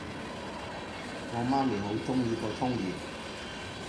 我媽咪好鍾意個窗簾